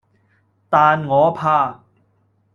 但我怕